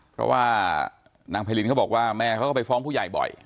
เพราะว่านางไพรินเขาบอกว่าแม่เขาก็ไปฟ้องผู้ใหญ่บ่อย